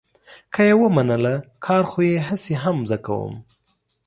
که یې ومنله، کار خو یې هسې هم زه کوم.